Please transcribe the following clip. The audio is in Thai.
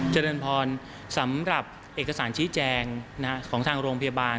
เจริญพรสำหรับเอกสารชี้แจงของทางโรงพยาบาล